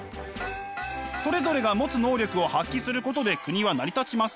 それぞれが持つ能力を発揮することで国は成り立ちます。